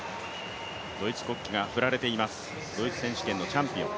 ドイツ国旗が振られています、ドイツ選手権のチャンピオン。